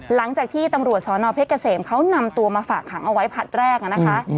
หลังจากที่ตำรวจสนเพชรเกษมเขานำตัวมาฝากขังเอาไว้ผลัดแรกนะคะ